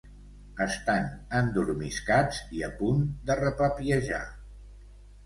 Estan endormiscats i a punt de repapiejar.